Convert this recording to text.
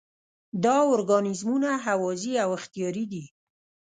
دا ارګانیزمونه هوازی او اختیاري دي.